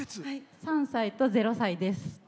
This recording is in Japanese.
３歳と０歳です。